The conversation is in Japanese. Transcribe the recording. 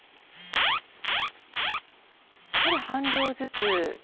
やはり半量ずつ。